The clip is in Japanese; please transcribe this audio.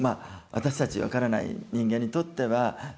私たち分からない人間にとってはあ